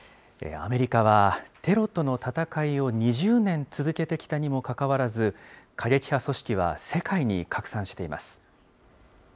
アメリカはテロとの戦いを２０年続けてきたにもかかわらず、過激派組織は世界に拡散しています。